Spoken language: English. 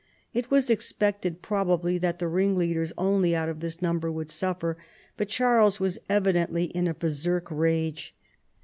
It was expected probably that the ringleaders only out of this number would suffer; but Charles was evidently in a Berserk rage.